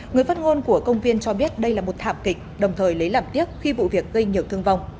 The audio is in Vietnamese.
người phát ngôn của công viên cho biết đây là một thảm kịch đồng thời lấy làm tiếc khi vụ việc gây nhiều thương vong